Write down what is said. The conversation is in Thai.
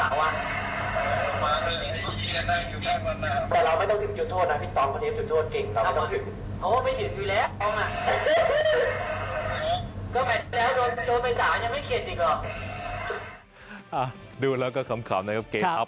ก็แหมดูแล้วโดนไปสารัสยังไม่เข็นอีกหรอ